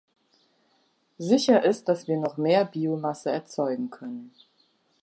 Sicher ist, dass wir noch mehr Biomasse erzeugen können.